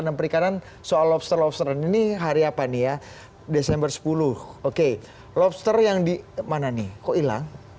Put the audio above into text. d report dari asbiter kanewa di tujuan app perumahan diseluruh kota di indonesia